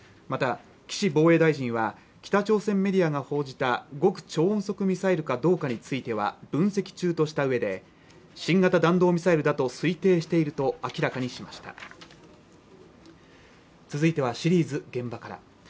また岸防衛大臣は北朝鮮メディアが報じた極超音速ミサイルかどうかについては分析中とした上で新型弾道ミサイルだと推定していると明らかにしました続いてはシリーズ「現場から」